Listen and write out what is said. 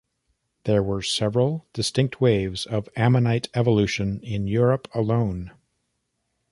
There were several distinct waves of ammonite evolution in Europe alone.